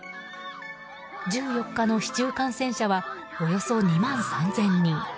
１４日の市中感染者はおよそ２万３０００人。